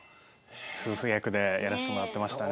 夫婦役でやらせてもらってましたね。